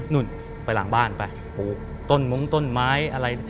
นู่นไปหลังบ้านไปปลูกต้นมงต้นไม้อะไร